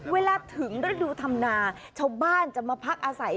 เวลาถึงฤดูธรรมนาชาวบ้านจะมาพักอาศัย